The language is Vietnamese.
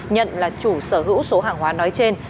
nhận là chủ sở hữu số hàng hóa nói trên